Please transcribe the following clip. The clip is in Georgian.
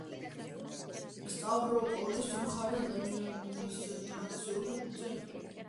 სტავროპოლის მხარის ადმინისტრაციული ცენტრი.